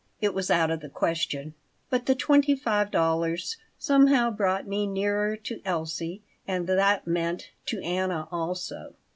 It was out of the question. But the twenty five dollars somehow brought me nearer to Elsie, and that meant to Anna also.